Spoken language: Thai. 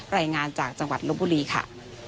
รายงานจากจังหวัดลบบุรีค่ะ